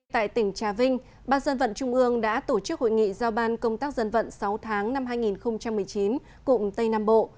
tại tỉnh trà vinh ban dân vận trung ương đã tổ chức hội nghị giao ban công tác dân vận sáu tháng năm hai nghìn một mươi chín cụm tây nam bộ